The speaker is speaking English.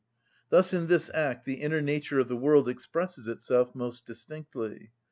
Thus in this act the inner nature of the world expresses itself most distinctly.